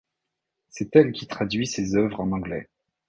C'est elle qui traduit ses œuvres en anglais.